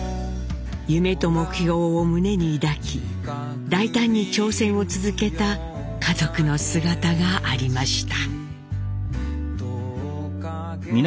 夢と目標を胸に抱き大胆に挑戦を続けた家族の姿がありました。